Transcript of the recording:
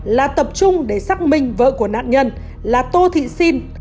là tập trung để xác minh vợ của nạn nhân là tô thị xin